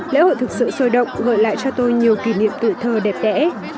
lễ hội thực sự sôi động gợi lại cho tôi nhiều kỷ niệm tuổi thơ đẹp đẽ